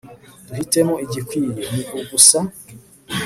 duhitemo igikwiye, ni ugusa